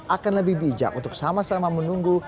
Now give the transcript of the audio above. akan lebih bijak untuk sama sama menunggu